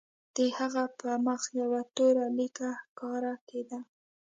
د هغه په مخ یوه توره لیکه ښکاره کېده